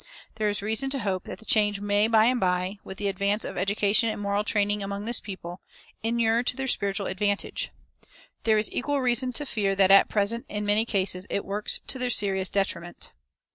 There is reason to hope that the change may by and by, with the advance of education and moral training among this people, inure to their spiritual advantage. There is equal reason to fear that at present, in many cases, it works to their serious detriment.